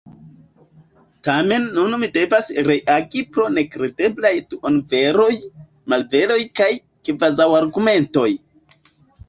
Tamen nun mi devas reagi pro nekredeblaj duonveroj, malveroj kaj kvazaŭargumentoj.